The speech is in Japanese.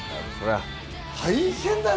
大変だね。